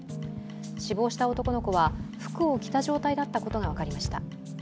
死亡した男の子は服を着た状態だったことが分かりました。